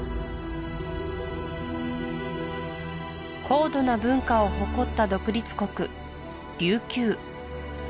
高度な文化を誇った独立国琉球